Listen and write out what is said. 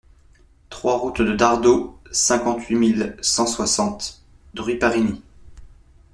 trois route de Dardault, cinquante-huit mille cent soixante Druy-Parigny